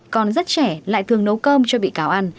còn rất trẻ lại thường nấu cơm cho bị cáo ăn